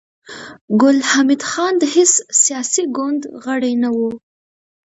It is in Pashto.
ګل حمید خان د هېڅ سياسي ګوند غړی نه و